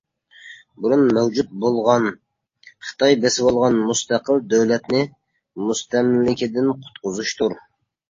بۇرۇن مەۋجۇت بولغان، خىتاي بېسىۋالغان مۇستەقىل دۆلەتنى مۇستەملىكىدىن قۇتقۇزۇشتۇر.